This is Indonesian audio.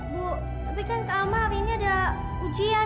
bu tapi kan kak alma hari ini ada ujian